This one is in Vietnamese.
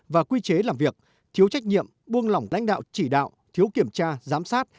và quy chế làm việc thiếu trách nhiệm buông lỏng lãnh đạo chỉ đạo thiếu kiểm tra giám sát